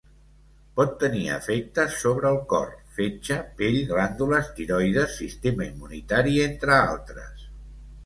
Pot tenir efectes sobre el cor, fetge, pell, glàndula tiroides, sistema immunitari, entre altres.